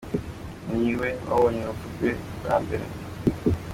Niwe wabonye urupfu rwe bwa mbere.